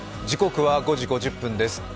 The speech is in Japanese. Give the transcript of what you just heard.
時刻は５時５０分です。